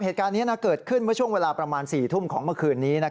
เหตุการณ์นี้เกิดขึ้นเมื่อช่วงเวลาประมาณ๔ทุ่มของเมื่อคืนนี้